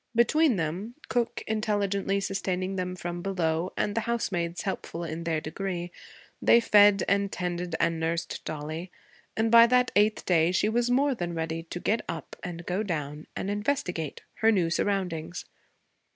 Between them, cook intelligently sustaining them from below and the housemaids helpful in their degree, they fed and tended and nursed Dollie, and by that eighth day she was more than ready to get up and go down and investigate her new surroundings.